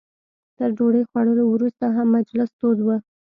تر ډوډۍ خوړلو وروسته هم مجلس تود و.